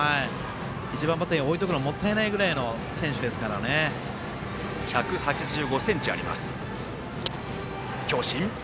１番バッターに置いておくのもったいないぐらいの１８５ｃｍあります。